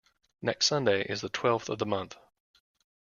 Next Sunday is the twelfth of the month.